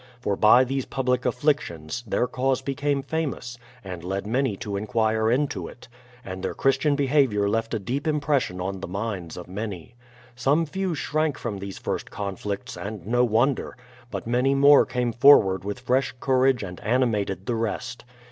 For by these pubhc afflictions, their cause became famous, and led many to inquire into it ; and their Christian behaviour left a deep impression on the minds of many. Some few shrank from these first conflicts, and no wonder ; but many more came forward with fresh courage and animated the rest.